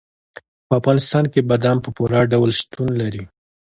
په افغانستان کې بادام په پوره ډول شتون لري.